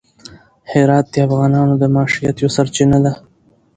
هرات د افغانانو د معیشت یوه سرچینه ده.